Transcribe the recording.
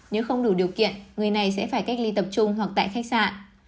nếu không đủ điều kiện người này sẽ phải cách ly tập trung hoặc tại khách sạn